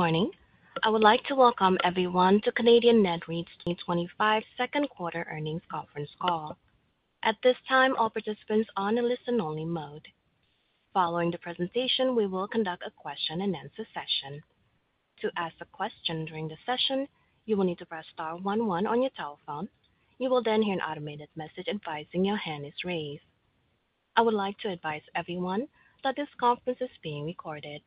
Good morning. I would like to welcome everyone to the Canadian Net Real Estate Investment Trust 2025 Second Quarter Earnings Conference Call. At this time, all participants are in a listen-only mode. Following the presentation, we will conduct a question-and-answer session. To ask a question during the session, you will need to press star 11 on your telephone. You will then hear an automated message advising your hand is raised. I would like to advise everyone that this conference is being recorded.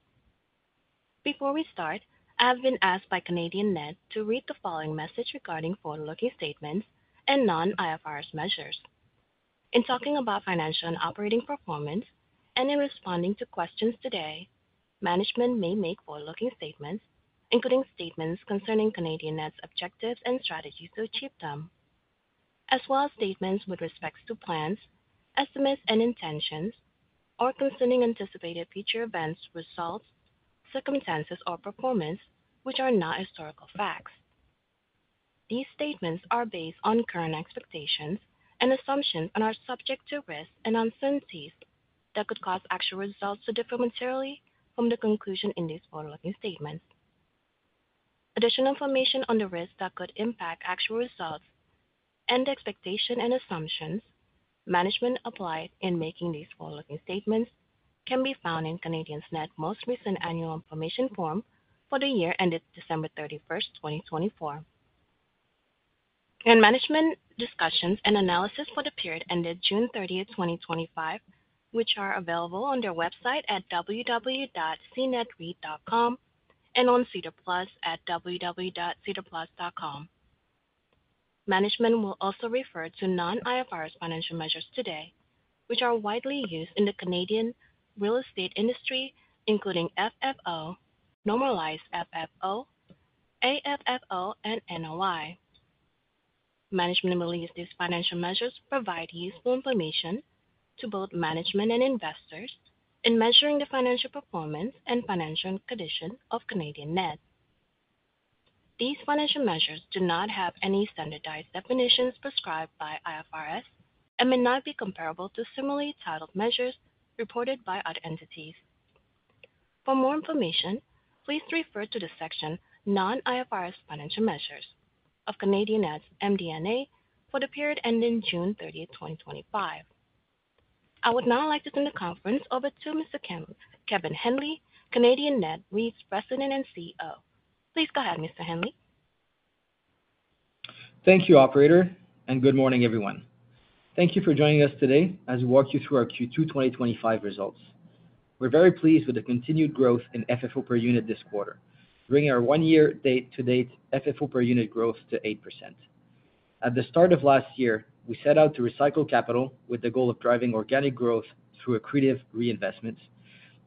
Before we start, I have been asked by Canadian Net to read the following message regarding forward-looking statements and non-IFRS measures. In talking about financial and operating performance, and in responding to questions today, management may make forward-looking statements, including statements concerning Canadian Net's objectives and strategies to achieve them, as well as statements with respect to plans, estimates, and intentions, or concerning anticipated future events, results, circumstances, or performance which are not historical facts. These statements are based on current expectations and assumptions and are subject to risks and uncertainties that could cause actual results to differ materially from the conclusion in these forward-looking statements. Additional information on the risks that could impact actual results and expectations and assumptions management applies in making these forward-looking statements can be found in Canadian Net's most recent annual information form for the year ended December 31st, 2024, and management discussion and analysis for the period ended June 30th, 2025, which are available on their website at www.cnetreit.com and on [C2 Plus] at [www.c2plus.com]. Management will also refer to non-IFRS financial measures today, which are widely used in the Canadian real estate industry, including FFO, normalized FFO, AFFO, and NOI. Management will use these financial measures to provide useful information to both management and investors in measuring the financial performance and financial condition of Canadian Net Real Estate Investment Trust. These financial measures do not have any standardized definitions prescribed by IFRS and may not be comparable to similarly titled measures reported by other entities. For more information, please refer to the section Non-IFRS Financial Measures of Canadian Net's MD&A for the period ending June 30th, 2025. I would now like to turn the conference over to Mr. Kevin Henley, Canadian Net REIT's President and CEO. Please go ahead, Mr. Henley. Thank you, Operator, and good morning, everyone. Thank you for joining us today as we walk you through our Q2 2025 results. We're very pleased with the continued growth in FFO per unit this quarter, bringing our one-year date-to-date FFO per unit growth to 8%. At the start of last year, we set out to recycle capital with the goal of driving organic growth through accretive reinvestments,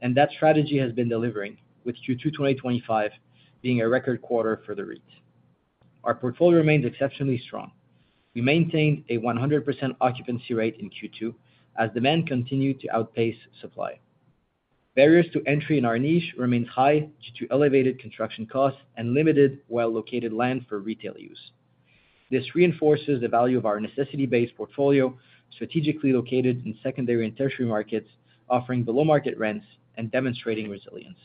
and that strategy has been delivering, with Q2 2025 being a record quarter for the REIT. Our portfolio remains exceptionally strong. We maintained a 100% occupancy rate in Q2 as demand continued to outpace supply. Barriers to entry in our niche remained high due to elevated construction costs and limited, well-located land for retail use. This reinforces the value of our necessity-based portfolio, strategically located in secondary and tertiary markets, offering below-market rents and demonstrating resilience.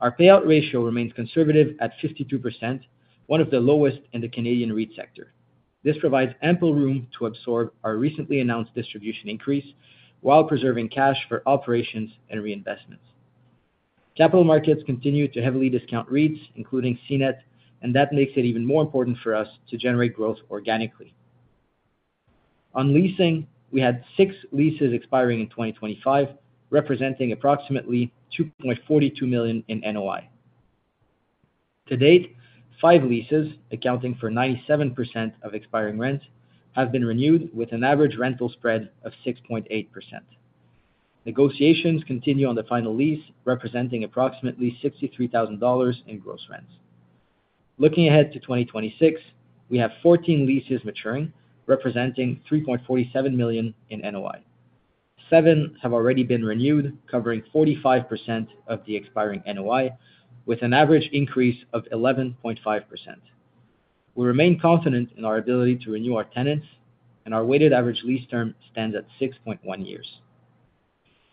Our payout ratio remains conservative at 52%, one of the lowest in the Canadian REIT sector. This provides ample room to absorb our recently announced distribution increase while preserving cash for operations and reinvestments. Capital markets continue to heavily discount REITs, including CNET, and that makes it even more important for us to generate growth organically. On leasing, we had six leases expiring in 2025, representing approximately $2.42 million in NOI. To date, five leases, accounting for 97% of expiring rents, have been renewed with an average rental spread of 6.8%. Negotiations continue on the final lease, representing approximately $63,000 in gross rent. Looking ahead to 2026, we have 14 leases maturing, representing $3.47 million in NOI. Seven have already been renewed, covering 45% of the expiring NOI, with an average increase of 11.5%. We remain confident in our ability to renew our tenants, and our weighted average lease term stands at 6.1 years.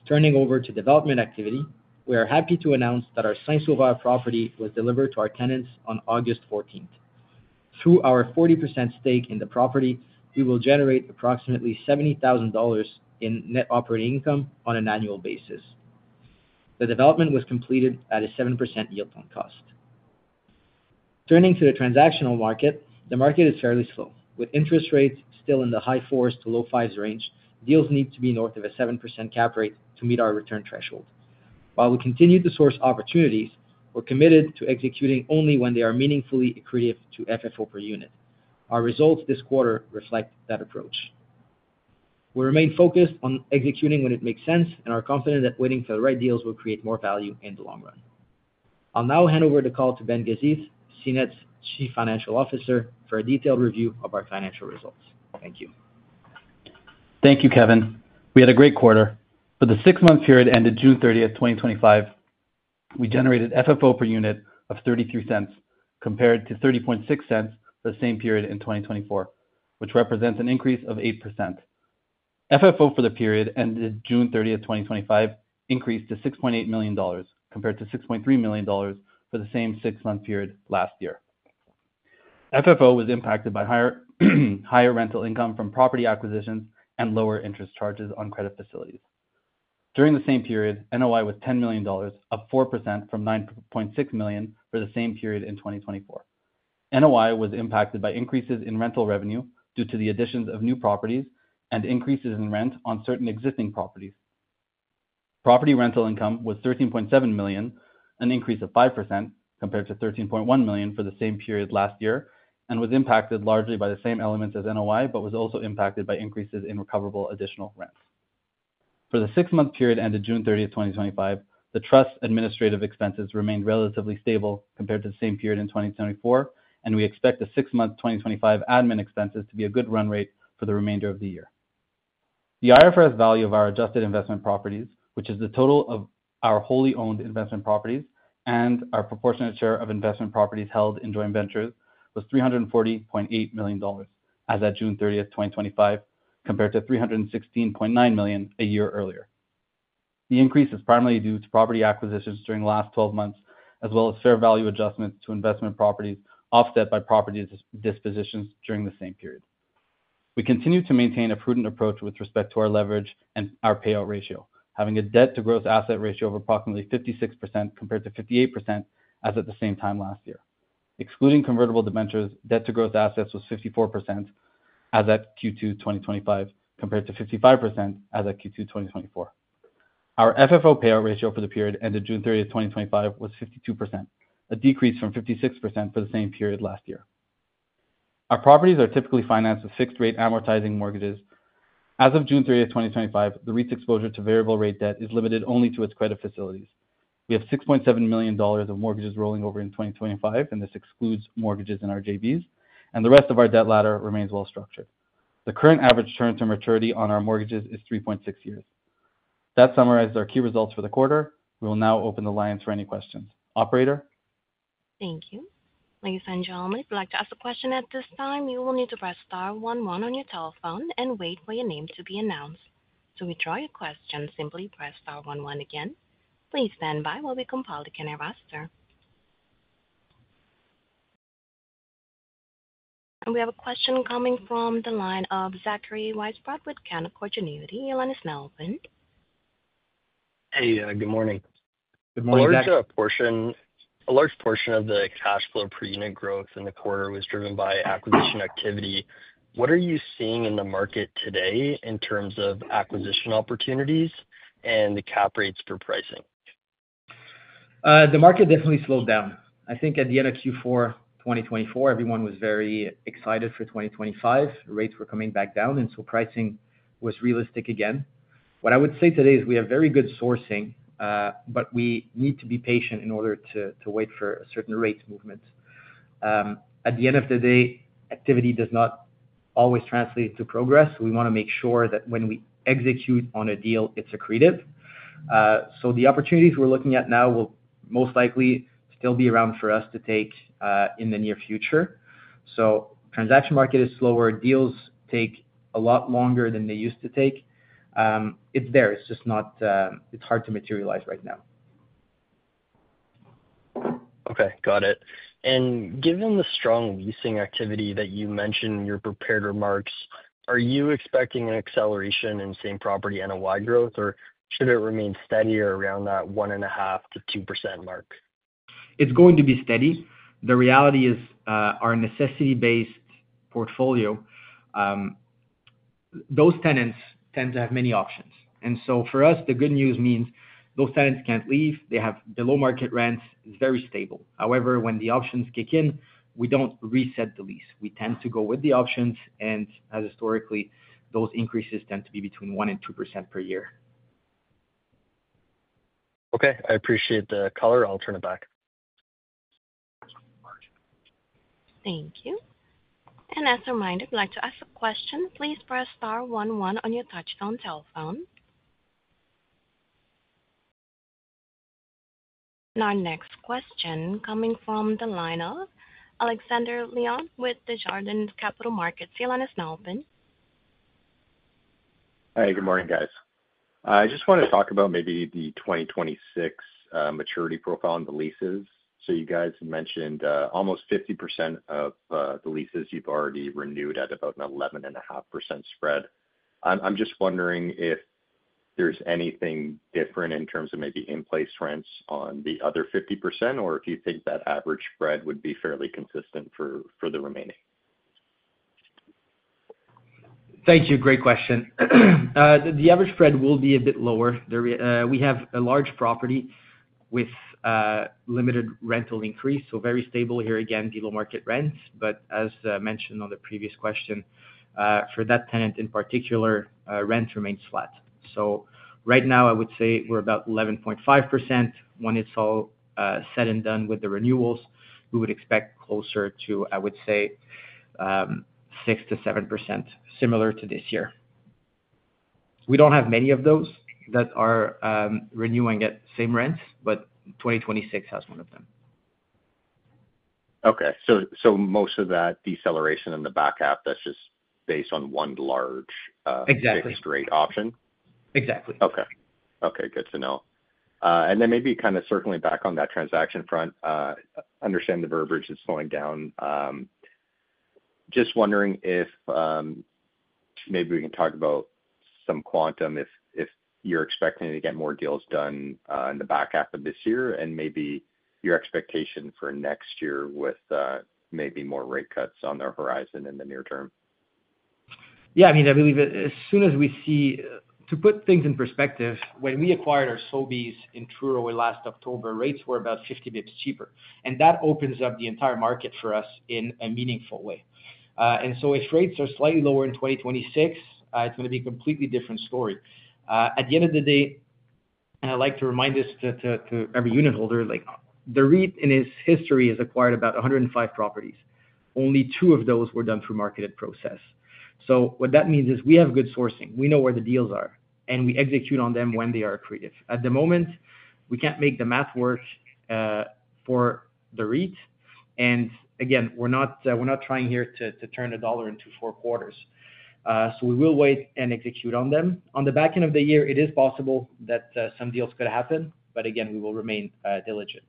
Turning over to development activity, we are happy to announce that our Saint-Sauveur property was delivered to our tenants on August 14th. Through our 40% stake in the property, we will generate approximately $70,000 in net operating income on an annual basis. The development was completed at a 7% yield on cost. Turning to the transactional market, the market is fairly slow. With interest rates still in the high 4% to low 5% range, deals need to be north of a 7% cap rate to meet our return threshold. While we continue to source opportunities, we're committed to executing only when they are meaningfully accretive to FFO per unit. Our results this quarter reflect that approach. We remain focused on executing when it makes sense and are confident that waiting for the right deals will create more value in the long run. I'll now hand over the call to Ben Gazith, CNET's Chief Financial Officer, for a detailed review of our financial results. Thank you. Thank you, Kevin. We had a great quarter. For the six-month period ended June 30, 2025, we generated FFO per unit of $0.33 compared to $0.306 for the same period in 2024, which represents an increase of 8%. FFO for the period ended June 30th, 2025, increased to $6.8 million compared to $6.3 million for the same six-month period last year. FFO was impacted by higher rental income from property acquisitions and lower interest charges on credit facilities. During the same period, NOI was $10 million, up 4% from $9.6 million for the same period in 2024. NOI was impacted by increases in rental revenue due to the additions of new properties and increases in rent on certain existing properties. Property rental income was $13.7 million, an increase of 5% compared to $13.1 million for the same period last year, and was impacted largely by the same elements as NOI, but was also impacted by increases in recoverable additional rent. For the six-month period ended June 30, 2025, the trust's administrative expenses remained relatively stable compared to the same period in 2024, and we expect the six-month 2025 admin expenses to be a good run rate for the remainder of the year. The IFRS value of our adjusted investment property value, which is the total of our wholly owned investment properties and our proportionate share of investment properties held in joint ventures, was $340.8 million as at June 30, 2025, compared to $316.9 million a year earlier. The increase is primarily due to property acquisitions during the last 12 months, as well as fair value adjustments to investment properties offset by property dispositions during the same period. We continue to maintain a prudent approach with respect to our leverage and our payout ratio, having a debt-to-gross asset ratio of approximately 56% compared to 58% as at the same time last year. Excluding convertible debentures, debt-to-gross assets was 54% as at Q2 2025 compared to 55% as at Q2 2024. Our FFO payout ratio for the period ended June 30, 2025 was 52%, a decrease from 56% for the same period last year. Our properties are typically financed with fixed-rate amortizing mortgages. As of June 30th, 2025, the REIT's exposure to variable-rate debt is limited only to its credit facilities. We have $6.7 million of mortgages rolling over in 2025, and this excludes mortgages in our JVs, and the rest of our debt ladder remains well structured. The current average term to maturity on our mortgages is 3.6 years. That summarizes our key results for the quarter. We will now open the lines for any questions. Operator? Thank you. Ladies and gentlemen, if you would like to ask a question at this time, you will need to press star 11 on your telephone and wait for your name to be announced. To withdraw your question, simply press star 11 again. Please stand by while we compile the candidate roster. We have a question coming from the line of Zachary Weisbrod with Canaccord Genuity Corp. Your line is now open. Good morning. A large portion of the cash flow per unit growth in the quarter was driven by acquisition activity. What are you seeing in the market today in terms of acquisition opportunities and the cap rates for pricing? The market definitely slowed down. I think at the end of Q4 2024, everyone was very excited for 2025. Rates were coming back down, and pricing was realistic again. What I would say today is we have very good sourcing, but we need to be patient in order to wait for a certain rate movement. At the end of the day, activity does not always translate to progress. We want to make sure that when we execute on a deal, it's accretive. The opportunities we're looking at now will most likely still be around for us to take in the near future. The transactional market is slower. Deals take a lot longer than they used to take. It's there. It's just not, it's hard to materialize right now. Okay, got it. Given the strong leasing activity that you mentioned in your prepared remarks, are you expecting an acceleration in same property NOI growth, or should it remain steady around that 1.5%-2% mark? It's going to be steady. The reality is our necessity-based portfolio, those tenants tend to have many options. For us, the good news means those tenants can't leave. They have below-market rents. It's very stable. However, when the options kick in, we don't reset the lease. We tend to go with the options. As historically, those increases tend to be between 1% and 2% per year. Okay, I appreciate the color. I'll turn it back. Thank you. As a reminder, if you'd like to ask a question, please press star 11 on your touch-tone telephone. Our next question is coming from the line of Alexander Leon with Desjardins Securities Inc. Your line is now open. Hi, good morning, guys. I just want to talk about maybe the 2026 maturity profile on the leases. You guys mentioned almost 50% of the leases you've already renewed at about an 11.5% spread. I'm just wondering if there's anything different in terms of maybe in-place rents on the other 50%, or if you think that average spread would be fairly consistent for the remaining. Thank you. Great question. The average spread will be a bit lower. We have a large property with a limited rental increase, so very stable here again, below-market rents. As mentioned on the previous question, for that tenant in particular, rent remains flat. Right now, I would say we're about 11.5%. When it's all said and done with the renewals, we would expect closer to, I would say, 6% to 7%, similar to this year. We don't have many of those that are renewing at same rents, but 2026 has one of them. Okay, most of that deceleration in the backup, that's just based on one large fixed-rate option? Exactly. Okay, good to know. Maybe kind of circling back on that transaction front, I understand the verbiage is slowing down. Just wondering if maybe we can talk about some quantum, if you're expecting to get more deals done in the back half of this year and maybe your expectation for next year with maybe more rate cuts on the horizon in the near term. Yeah, I mean, I believe as soon as we see, to put things in perspective, when we acquired our Sobeys in Truro last October, rates were about 50 basis points cheaper. That opens up the entire market for us in a meaningful way. If rates are slightly lower in 2026, it's going to be a completely different story. At the end of the day, I like to remind us to every unitholder, the REIT in its history has acquired about 105 properties. Only two of those were done through the marketed process. What that means is we have good sourcing. We know where the deals are, and we execute on them when they are accretive. At the moment, we can't make the math work for the REIT. We're not trying here to turn a dollar into four quarters. We will wait and execute on them. On the back end of the year, it is possible that some deals could happen. We will remain diligent.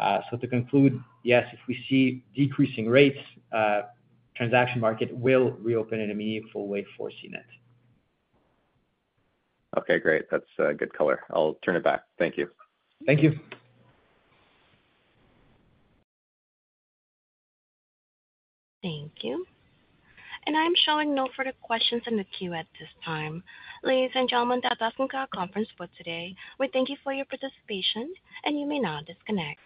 To conclude, yes, if we see decreasing rates, the transactional market will reopen in a meaningful way for CNET. Okay, great. That's a good color. I'll turn it back. Thank you. Thank you. Thank you. I'm showing no further questions in the queue at this time. Ladies and gentlemen, that does conclude our conference for today. We thank you for your participation, and you may now disconnect.